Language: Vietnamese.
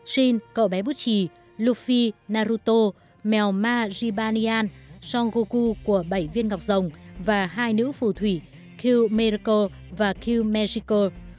shin cậu bé bút trì luffy naruto mèo ma jibanyan song goku của bảy viên ngọc rồng và hai nữ phù thủy kyu miracle và kyu magical